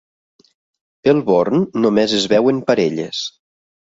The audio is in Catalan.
Pel Born només es veuen parelles.